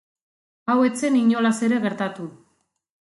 Hau ez zen inolaz ere gertatu.